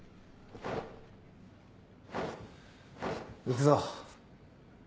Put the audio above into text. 行くぞ。